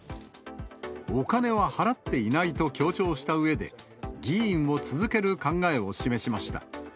お金は払っていないと強調したうえで、議員を続ける考えを示しました。